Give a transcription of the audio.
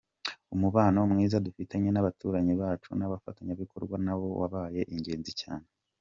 Umubano mwiza dufitanye n’abaturanyi bacu n’abafatanyabikorwa nawo wabaye ingenzi cyane.